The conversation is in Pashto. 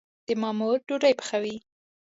د ما مور ډوډي پخوي